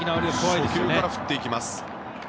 初球から振っていきます。